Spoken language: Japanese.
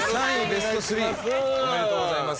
ベスト３おめでとうございます